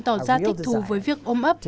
tỏ ra thích thù với việc ôm ấp